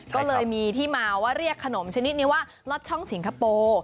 ก็เลยมีที่มาว่าเรียกขนมชนิดนี้ว่าลอดช่องสิงคโปร์